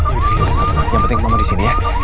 yaudah yang penting mama di sini ya